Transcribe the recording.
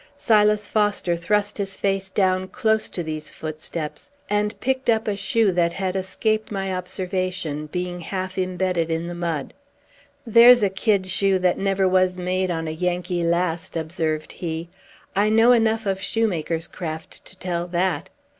Silas Foster thrust his face down close to these footsteps, and picked up a shoe that had escaped my observation, being half imbedded in the mud. "There's a kid shoe that never was made on a Yankee last," observed he. "I know enough of shoemaker's craft to tell that.